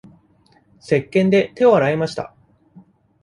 せっけんで手を洗いました。